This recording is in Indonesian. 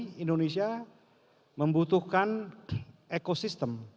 dan teknologi indonesia membutuhkan ekosistem